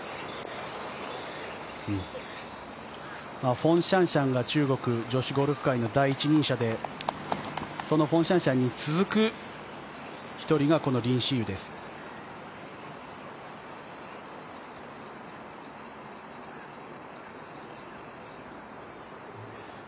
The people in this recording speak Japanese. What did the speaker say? フォン・シャンシャンが中国女子ゴルフ界の第一人者でそのフォン・シャンシャンに続く１人がこのリン・シユです。